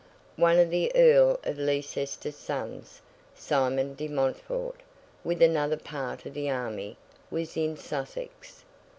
One of the Earl of Leicester's sons, Simon de Montfort, with another part of the army, was in Sussex.